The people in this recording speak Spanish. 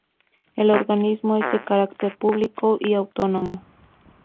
El organismo es de carácter público y autónomo.